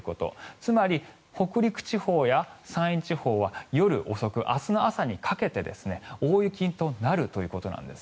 つまり、北陸地方や山陰地方は夜遅く、明日の朝にかけて大雪となるということです。